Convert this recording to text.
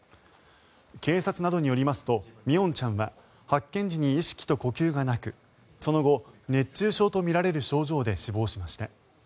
警察などによりますと三櫻音ちゃんは発見時に意識と呼吸がなくその後、熱中症とみられる症状で死亡しました。